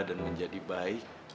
dan menjadi baik